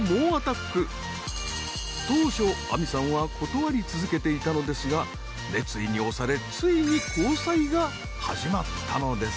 当初亜美さんは断り続けていたのですが熱意に押されついに交際が始まったのです。